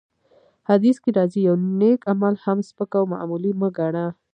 حديث کي راځي : يو نيک عمل هم سپک او معمولي مه ګڼه!